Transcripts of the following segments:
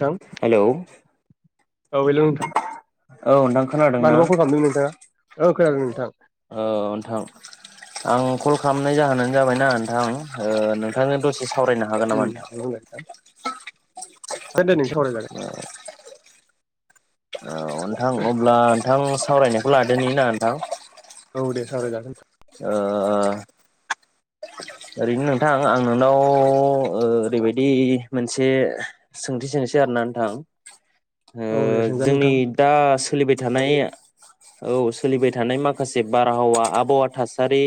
नोंथां हेलौ औ हेल' नोंथां औ नोंथां खोनादोंना? मानोबा कल खालामदों नोंथाङा औ खोनादों नोंथां औ नोंथां आं कल खामनाय जाहोनानो जाबायना नोंथां ओ नोंथांनो दस जि सावरायनो हागोन नामा नोंथां? [unintelligible] सावराय जागोन। औ नोंथां अब्ला थां सावरायनायखौ लादोनि ना नोंथां। औ दे सावराय जागोन ओ ओरैनो नोंथां आं नोंनाव ओरैबायदि मोनसे सोंथि सोंसै आरोना नोंथां। ओ औ दे सोंजागोन जोंनि नोंथां दा सोलिबाय थानाय औ सोलिबाय थानाय माखासे बारहावा आबहावा थासारि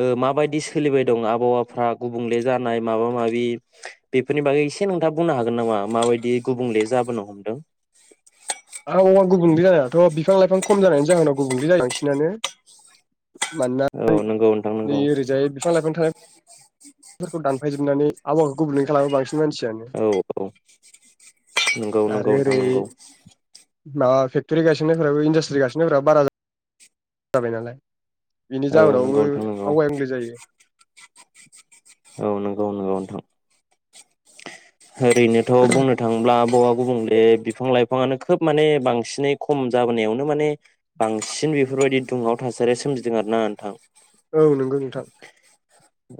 ओ मा बायदि सोलिबाय दं आबहावाफ्रा गुबुंले जानाय माबा माबि बेफोरनि बागै एसे नोंथा बुंनो हागोन नामा? माबायदि गुबुंले जाबोनो हमदों। आ अ' गुबुंले जानायाथ' बि फां लाइफां खम जानायनि जाहोनाव गुबुंले जायो बां नानो मानोना औ ओय नंगौ नोंथां नंगौ नै ओरैजाय बिफां लाइफां थानाय फोरखौ दानफायजोबनानै आगर गुबुंले खालामो बांसिन मानसियानो औ औ नंगौ नंगौ आरो नोंथां ओरै नंगौ माबा फेक्टरि गायसननायफोराबो इन्डास्ट्रि गायसननायफोराबो बारा जाबाय नालाय। बिनि औ नंगौ जाहोनावबो नोंथां नंगौ आवगाय [unintelligible] जायो। औ नंगौ नंगौ नोंथां। ओरैनोथ' बुंनो थाङोब्ला आब'आव गुबुंले बिफां लाइफाङानो खोब माने बांसिनै खम जाबोनायावनो माने बांसिन बेफोरबायदि दुंहाव थासारिया सोमजिदों आरोना नोंथां। औ नंगौ नोंथां।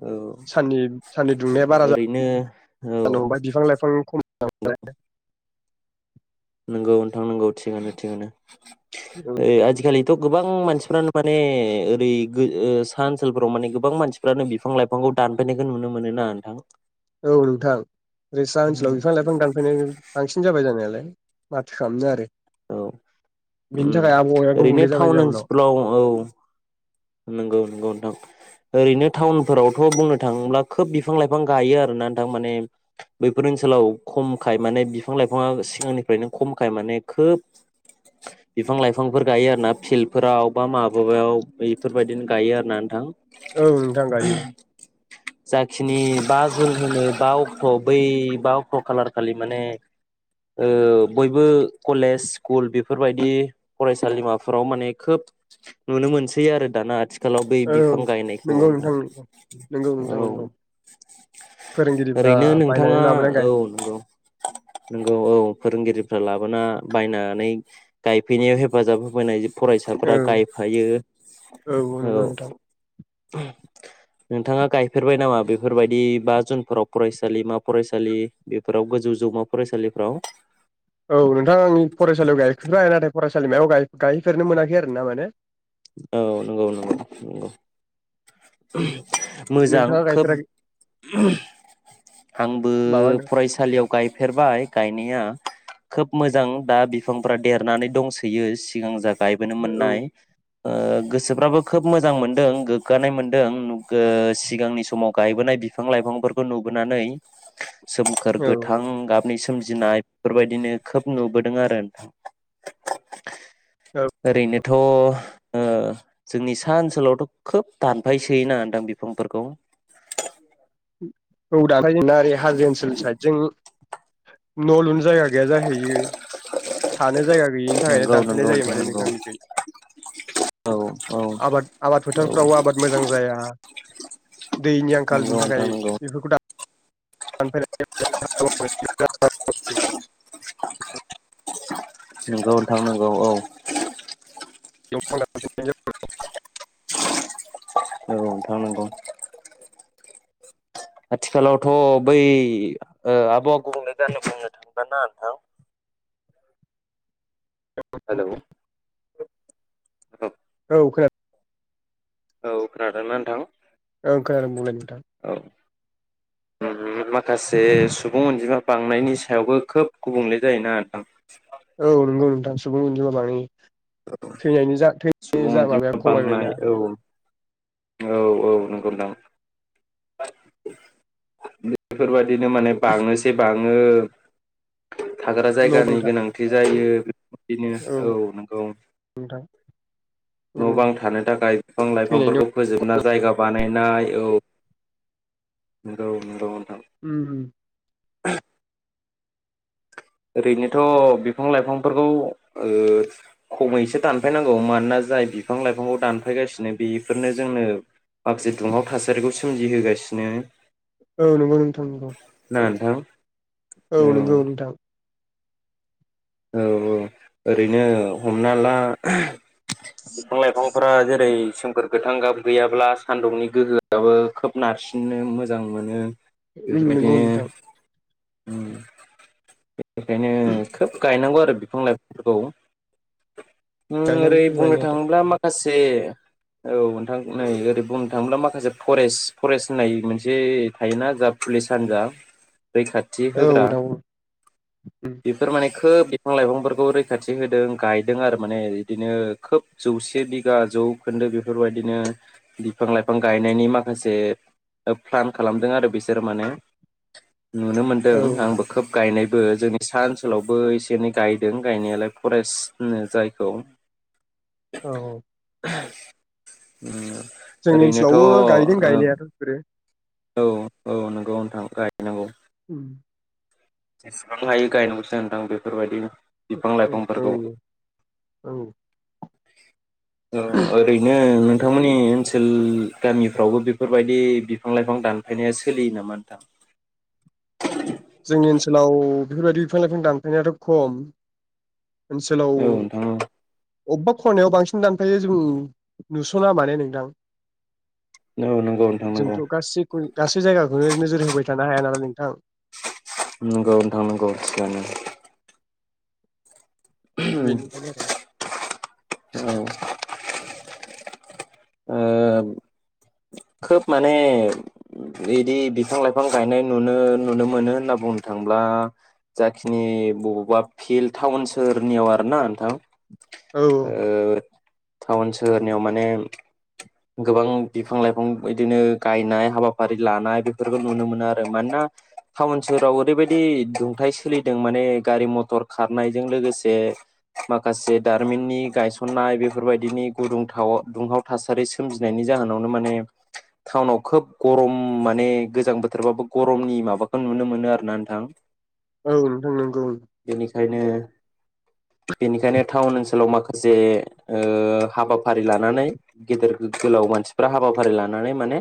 औ साननि साननि दुंनाया बारा ओरैनो औ जानो हमबाय बिफां लाय फां खम [unintelligible] [inaudible] नोंगौ नोंथां नोंगौ थिगानो थिगानो। औ ओइ आजिखालि थ' गोबां मानसिफ्रानो माने ओरै ओ सा ओनसोलफोराव माने गोबां मानसिफ्रानो बिफां लाइफांखौ दानफायनायखौ नुनो मोनो ना नोंथां? औ नोंथां ओ साहा ओनसोलाव बिफां लाइफां दानफैनाय बांसिन जाबाय जानायालाय। माथो खामनो आरो। औ बिनि ओम थाखाय आबहावाया गुबुंले ओरैनो जाबाय टाउन जाउनाव ओनसोलफ्राव औ। नंगौ नंगौ नोंथां ओरैनो टाउनफोरावथ' बुंनो थाङोब्ला खोब बिफां लाइफां गायो आरोना नोंथां माने बैफोर ओनसोलाव खमखाय माने बिफां लाइफाङा सिगांनिफ्रायनो खमखाय माने खोब बिफां लाइफांफोर गायो आरोना फिल्डफोराव बा माबाबायाव बैफोरबायदिनो गायो आरोना नोंथां। औ नोंथां गायो। नि बा जुन होनो बा अक्ट' बै बा अक्ट' खालार खालि माने ओ बयबो कलेज स्कुल बेफोरबायदि फरायसालिमाफोराव माने खोब नुनो मोनसै सै आरो दाना आथि थिखालाव बै औ बिफां गायनायखौ नंगौ नोंथां नंगौ नोंथां नोंथां औ नंगौ फोरोंगिरिफ्रा ओरैनो बायनानै नोंथाङा लाबोना गाय औ नंगौ नंगौ औ। फोरोंगिरिफ्रा लाबोना बायनानै गायफैनायाव हेफाजाब होफैनायजों फरायसाफोरा औ गायफायो औ नंगौ नोंथां। नोंथाङा गायफेरबाय नामा बेफोरबायदि बा जुनफोराव फरायसालिमा फरायसालि बेफोराव गोजौ जौमा फरायसालिफोराव? औ नोंथां आंनि फरायसालियाव गायफेरबाय नाथाय फरायसालिमायाव गाय-गायहैफेरनो मोनाखै आरो ना माने। औ नंगौ नंगौ नंगौ। मोजां नोंथाङा खोब। गायफेराखै आंबो माबानो फरायसालियाव गायफेरबाय गायनाया खोब मोजां दा बिफांफोरा देरनानै दंसोयो सिगां जाग गायबोनो औ मोन्नाय। ओ गोसोफ्राबो खोब मोजां मोनदों गोग्गानाय मोनदों ओ सिगांनि समाव गायबोनाय बिफां लाइफांफोरखौ नुबोनानै। सोमखोर औ गोथां गाबनि सोम जिनाय बेफोरबायदिनो खोब नुबोदों आरो नोंथां औ ओरैनोथ' जोंनि सा ओनसोलावथ' खोब दानफायसोयोनादां बिफांफोरखौ औ [unintelligible] हाजो ओनसोल साइदजों न' लुनो जायगा गैया जाहैयो थानो जायगा गैयिनि थाखायनो नंगौ दानफायनाय नंगौ जायो माने नंगौ नोंथां [unintelligible] औ औ आबाद आबाद औ फोथारफ्राव आबाद मोजां जाया दैनि आंखाल नंगौ नोंथां नंगौ बेफोरखौ [unintelligible] [unintelligible] नोंगौ नोंथां नांगौ औ [unintelligible] औ नोंथां नोंगौ। आथिखालावथ' बै आबहावा गुबुंले [unintelligible] बुंनो थांला ना नोंथां हेलौ औ [unintelligible] औ खोनादों। औ खोनादोंना नोंथां? ओं खोनादों बुंलाय नोंथां। औ माखासे सुबुं अनजिमा बांनायनि सायावबो खोब गुबुंले जायोना नोंथां? औ नंगौ दानि सुगाव उदैया बाङो। थैनायनि जा थैनायनि सुबुं जा अनजिमा माबाया बांनाय खमायबायना? औ औ औ नंगौ नोंथां। बेफोरबा बिदिनो माने बाङोसे बाङो [unintelligible] थाग्रा जायगानि नोंथां गोनांथि जायो बेदिनो औ नंगौ। नोंथां औ न' बां थानो थाखाय बिफां थैनायनि उम लाइफांफोरखौ फोजोबना जायगा बान नाय औ नंगौ नंगौ। उमहु [inaudible] ओरैनोथ' बिफां लाइफांफोरखौ ओ खमैसो दानफायनांगौ मानोना जाय बिफां लाइफांखौ दानफायगासिनो बेफोरनो जोंनो माखासे दुंहाव थासारिखौ सोमजिहोगासिनो। औ नंगौ नोंथां नंगौ। ओं औ नंगौ नोंथां। औ औ ओरैनो हमना ला बिफां लाइफांफोरा जेरै सोमखोर गोथां गाब गैयाब्ला सान्दुंनि गोहोआबो खोब नारसिननो मोजां मोनो। नंगौ बेफोरबायदिनो नोंथां। उम। बेखायनो खोब गायनांगौ आरो। बिफां लाइफांफोरखौ ओरै गायनांगौ बुंनो गायनायाथ' औ थाङोब्ला नोंथां माखासे औ नोंथां नै ओरै बुंनो थाङोब्ला माखासे फरेस्ट फरेस्ट होननाय मोनसे थायोना जा पुलिस हानजा रैखाथि होग्रा उम औ बेफोर माने खोब बिफां लाइफांफोरखौ रैखाथि होदों गायदों आरो माने बिदिनो खोब जौसे बिघा जौखोन्दो बेफोरबायदिनो बिफां लाइफां गायनायनि माखासे प्लान खालामदों आरो बिसोर माने। नुनो मोन्दों औ आंबो खोब गायनाय। जोंनि सा ओनसोलावबो एसे एनै गायदों गायनायालाय फरेस्ट होनो जायखौ। औ औ। [unintelligible] जोंनि ओरैनोथ' औ ओनसोलावबो गायदों गायनायाथ' बिसोरो। औ औ नोंगौ नोंथां गायनांगौ। उम। जेसेबां हायो गायनांगौसो नोंथां बेफोरबायदिनो। औ औ। [unintelligible] ओरैनो। नोंथांमोननि ओनसोल गामिफ्रावबो बेफोरबायदि बिफां लाइफां दानफायनाया सोलियो नामा नोंथां। जोंनि ओनसोलाव बेफोरबायदि बिफां लाइफां दानफायनायाथ' खम। ओनसोलाव औ नोंथां अबेबा खरायनायाव बांसिन दानफायो जों नुस'ना माने नोंथां औ नंगौ नोंथां नंगौ। जोंथ' गासै गासै जायगाखौनो नोजोर होबाय थानो हाया नालाय नोंथां। नंगौ नोंथां नगौ थिगानो। [inaudible] औ। ओ खोब माने बिदि बिफां लाइफां गायनाय नुनो नुनो मोनो होनना बुंनो थाङोब्ला जाखिनि बबावबा फिल्ड टाउन सोहोरनियाव आरोना नोंथां आरो औ ओ। टाउन सोहोरनियाव माने। गोबां बिफां लाइफां बिदिनो गायनाय हाबाफारि लानाय बेफोरखौ नुनो मोनो आरो मानोना टाउन सोहराव ओरैबायदि दुंथाइ सोलिदों माने गारि मथर खारनायजों लोगोसे माखासे दारिमिननि गायसननाय बेफोरबायदिनि गुदुंथाव दुंहाव थासारि सोलि। सोमजिनायनि जाहोनावनो माने टाउनाव खोब गरम माने गोजां बोथोरबाबो गरमनि माबाखौ नुनो मोनो आरो ना नोंथां। औ नोंथां नंगौ। खायनो बेनिखायनो टाउन ओनसोलाव माखासे ओ हाबाफारि लानानै गेदेर गोलाव मानसिफ्रा हाबाफारि लानानै माने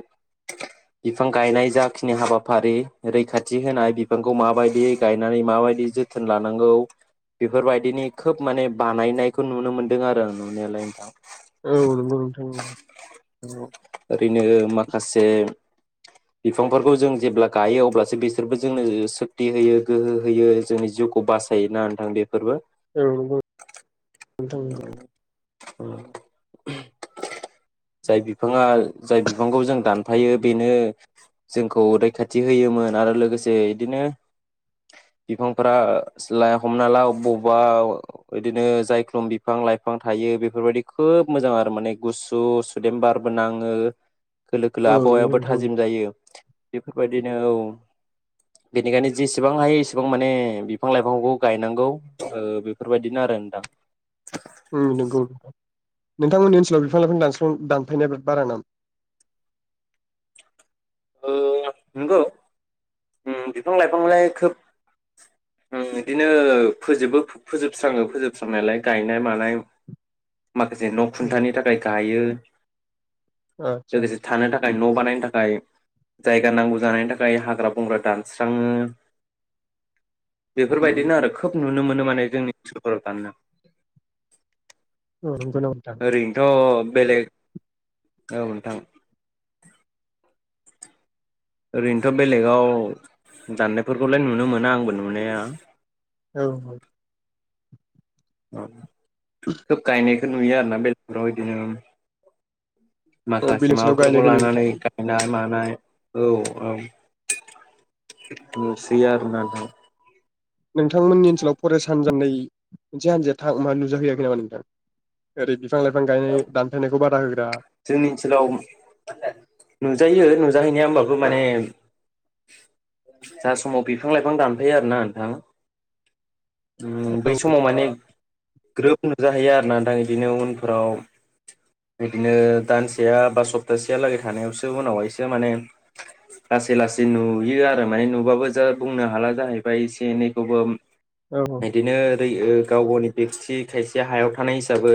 बिफां गायनाय जाखिनि हाबाफारि रैखाथि होनाय बिफांखौ माबायदि गायनानै माबायदि जोथोन लानांगौ बेफोरबायदिनि खोब माने बानायनायखौ नुनो मोनदों आरो आं नुनायालाय नोंथां। औ नंगौ नोंथां नंगौ। ओरैनो माखासे बिफांफोरखौ जों जेब्ला गायो अब्लासो बिसोरबो जोंनो ओ सक्ति होयो गोहो होयो जोंनि जिउखौ बासायो ना नोंथां बे फोरबो उम। जाय बिफाङा जाय बिफांखौ जों दान फायो बेनो जोंखौ रैखाथि होयोमोन आरो लोगोसे बिदिनो बिफांफोरा स्ला हमना ला बबावबा बिदिनो जायख्लुम बिफां लाइफां थायो बेफोरबायदि खोब मोजां आरो माने गुसु सु देम बारबो नाङो खोलो खोलो औ नंगौ आबहावायाबो नोंथां नंगौ औ नंगौ नोंथां थाजिम नंगौ जायो। बेफोरबायदिनो औ बेनिखायनो जेसेबां हायो एसेबां माने बिफां लाइफांखौ गायनांगौ ओ बेफोरबायदिनो आरो नोंथां उम नोंगौ नोंथांमोननि ओनसोलाव बिफां लाइफां दानस्लां दानफायनाया बिराद बारा नामा? औ नोंगौ ओम बिफां लाइफांलाय खोब ओम बिदिनो फोजोबो फोजोबस्राङो फोजोबस्रांनायलाय गायनाय मानाय माखासे न' औ खुन्थानि थाखाय गायो। आदसा लोगोसे थानो थाखाय न' बानायनो थाखाय जायगा नांगौ जानायनि थाखाय हाग्रा बंग्रा दानस्राङो बेफोरबायदिनो आरो खोब नुनो मोन नो माने जोंनि ओनसोलफोराव दाननो औ नंगौ नामा नोंथां ओरैनोथ' बेलेग औ नोंथां ओरैनोथ' बेलेगाव दाननायफोरखौलाय नुनो मोनो आंबो नुनाया। औ औ औ खोब गायनायखो नुयो आरोना बेलेगाव इदिनो औ माखासे बेलेग ओनसोलाव माबाफोरखौ गायनायखौ नुयो नोंथां लानानै गायनाय माना नाय औ औ नुसै आरो ना नोंथां नोंथांमोननि ओनसोलाव फरेस्ट हान्जानै मोनसे हान्जाया था मा नुजाहैयाखै नामा नोंथां ओरैदि बिफां लाइफां गायनाय दानफायनायखौ बादा हो जोंनि ओनसोलाव जाहैनाया होमबाबो माने जा समाव बिफां लाइफां दानफायो आरो ना नोंथां। ओ बै औ समाव माने ग्रोब नुजाहैयो आरोना दा बिदिनो उनफोराव बिदिनो दानसेया बा सप्तासेया लागै थानायावसो उनावहायसो माने लासै लासै नुयो आरो माने नुबाबो जा बुंनो हाला जाहैबाय एसे एनैखौबो औ बिदिनो बियो गाव गावनि बेक्थि खायसे हायाव थानाय हिसाबै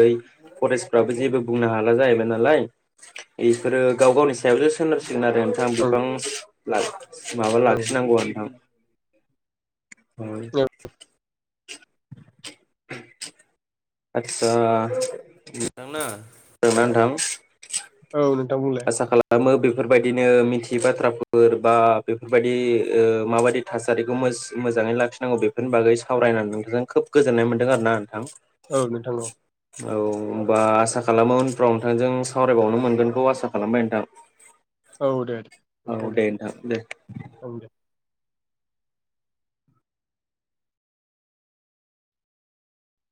फरेस्टफ्राबो जेबो बुंनो हाला जाहैबाय नालाय बेफोरो गाव गावनि सायावसो सोनारसिगो खोनादों नोंथां बिफां ला माबा औ लाखिनांगौ नोंथां औ [unintelligible] [unintelligible] आस्सा नोंनो नांङा खोनादों ना नोंथां औ नों आसा खालामो बि बेफोरबायदिनो मिथियै बाथ्राफोर बा बेफोरबायदि ओ माबायदि थासारिखौ मोज-मोजाङै लाखिनांगौ बेफोरनि बागै सावरायनानै नोंथांजों खोब गोजोननाय मोनदों आरोना नोंथां औ नोंथां औ औ होनबा आसा खालामो उनफ्राव नोंथांजों सावरायबावनो मोनगोनखौ आसा खालामबाय नोंथां औ दे दे औ दे नोंथां दे ओं दे